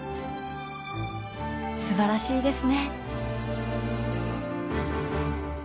すばらしいですね。